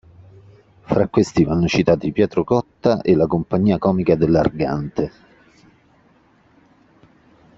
Fra questi vanno citati Pietro Cotta e la compagnia comica dell'Argante.